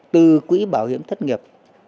từ quỹ bảo hiểm thất nghiệp